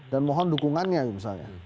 dan mohon dukungannya misalnya